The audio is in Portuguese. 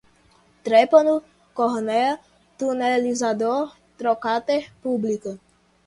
trepano, córnea, tunelizador, trocater, púbica